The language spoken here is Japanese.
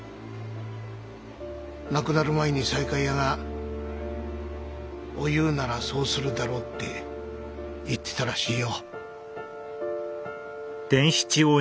亡くなる前に西海屋が「お夕ならそうするだろう」って言ってたらしいよ。